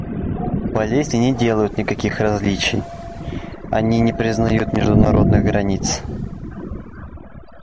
Болезни не делают никаких различий; они не признают международных границ.